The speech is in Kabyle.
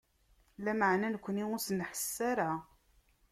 Lameɛna nekni ur s-nḥess ara.